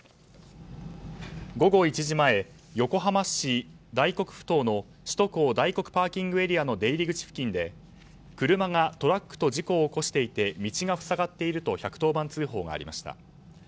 午後１時前、横浜市大黒ふ頭の首都高大黒ＰＡの出入り口付近で車がトラックと事故を起こしていて道が塞がっていると１１０番通報がありました。